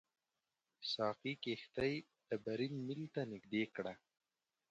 ساقي کښتۍ ډبرین میل ته نږدې کړه.